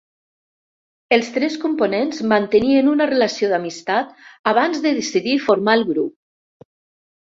Els tres components mantenien una relació d'amistat abans de decidir formar el grup.